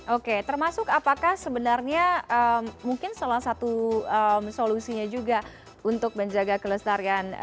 oke termasuk apakah sebenarnya mungkin salah satu solusinya juga untuk menjaga kelestarian